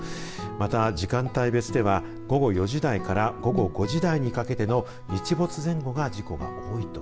また、時間帯では午後４時台から午後５時台にかけての日没前後が事故が多いと。